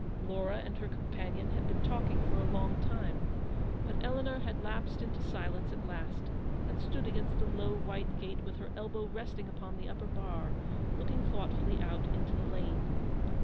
Laura and her companion had been talking for a long time, but Eleanor had lapsed into silence at last, and stood against the low white gate with her elbow resting upon the upper bar, looking thoughtfully out into the lane.